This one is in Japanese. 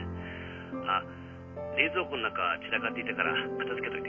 ☎あっ冷蔵庫の中散らかっていたから片付けといて